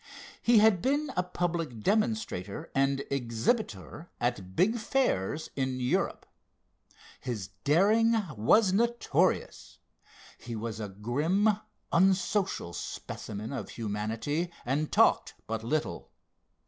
He had been a public demonstrator and exhibitor at big fairs in Europe. His daring was notorious. He was a grim, unsocial specimen of humanity, and talked but little.